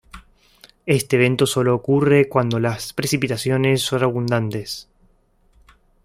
Este evento sólo ocurre cuando las precipitaciones son abundantes.